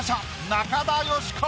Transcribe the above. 中田喜子！